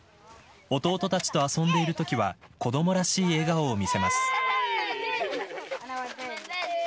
弟たちと遊んでいるときは子どもらしい笑顔を見せます。